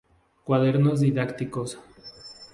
Cuadernos didácticos.